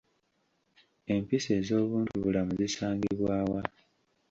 Empisa ez'obuntubulamu zisangibwa wa?